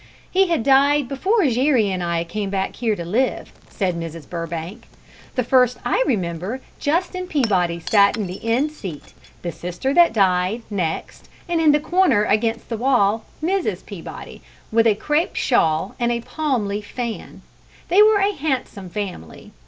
"He had died before Jere and I came back here to live," said Mrs. Burbank. "The first I remember, Justin Peabody sat in the end seat; the sister that died, next, and in the corner, against the wall, Mrs. Peabody, with a crepe shawl and a palm leaf fan. They were a handsome family.